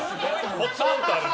ポツンとある。